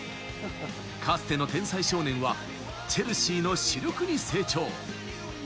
かつての天才少年はチェルシーの主力に成長。